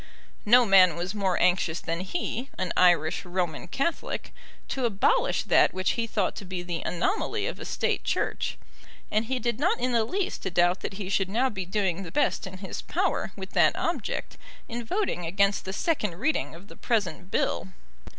No man was more anxious than he, an Irish Roman Catholic, to abolish that which he thought to be the anomaly of a State Church, and he did not in the least doubt that he should now be doing the best in his power with that object in voting against the second reading of the present bill.